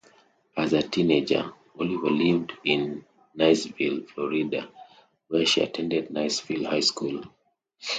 As a teenager, Oliver lived in Niceville, Florida, where she attended Niceville High School.